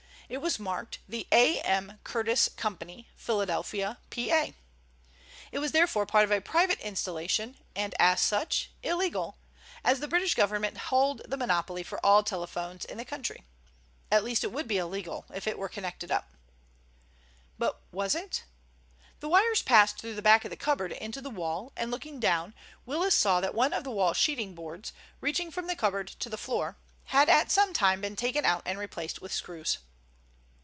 It was marked "The A. M. Curtiss Co., Philadelphia, Pa." It was therefore part of a private installation and, as such, illegal, as the British Government hold the monopoly for all telephones in the country. At least it would be illegal if it were connected up. But was it? The wires passed through the back of the cupboard into the wall, and, looking down, Willis saw that one of the wall sheeting boards, reaching from the cupboard to the floor, had at some time been taken out and replaced with screws.